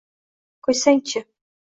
Qo‘ysang-chi.